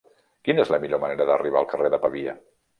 Quina és la millor manera d'arribar al carrer de Pavia?